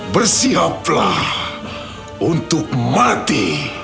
bersiaplah untuk mati